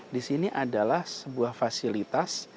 di sini adalah sebuah fasilitas